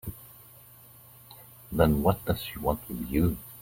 Then what does she want with you?